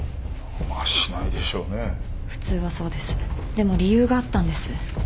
でも理由があったんです。